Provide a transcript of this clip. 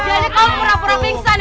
eh eh eh bangun